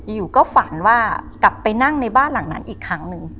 อยู่ก็ฝันว่ากลับไปนั่งในบ้านหลังนั้นอีกครั้งหนึ่ง